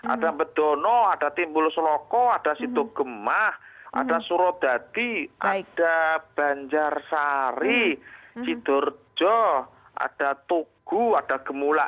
ada bedono ada timbulus loko ada sido gemah ada surobdadi ada banjarsari cidurjo ada tugu ada gemula